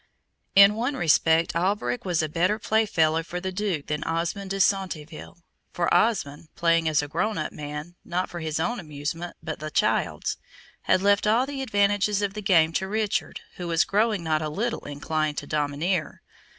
In one respect Alberic was a better playfellow for the Duke than Osmond de Centeville, for Osmond, playing as a grown up man, not for his own amusement, but the child's, had left all the advantages of the game to Richard, who was growing not a little inclined to domineer.